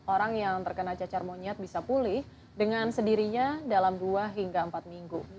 orang yang terkena cacar monyet bisa pulih dengan sendirinya dalam dua hingga empat minggu